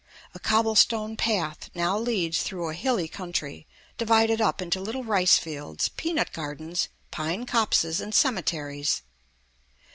A cobble stone path now leads through a hilly country, divided up into little rice fields, peanut gardens, pine copses, and cemeteries.